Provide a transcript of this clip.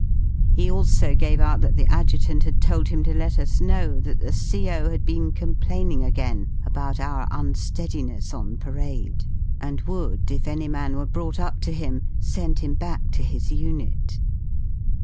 He also gave out that the Adjutant had told him to let us know that the CO. had been complaining again about our unreadiness on parade, and would, if any man 30 were brought up to him, send him back to his unit.